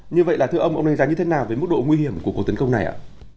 như vậy là thưa ông ông đánh giá như thế nào về mức độ nguy hiểm của cuộc tấn công này ạ